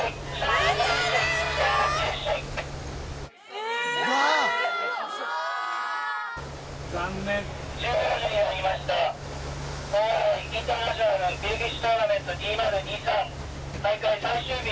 大洗インターナショナルビルフィッシュトーナメント２０２３大会最終日